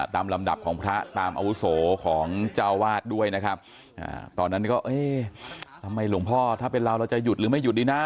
ลำดับของพระตามอาวุโสของเจ้าวาดด้วยนะครับตอนนั้นก็เอ๊ะทำไมหลวงพ่อถ้าเป็นเราเราจะหยุดหรือไม่หยุดดีนะ